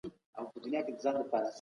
مشرانو مخکي لا د امنيت پلان جوړ کړی و.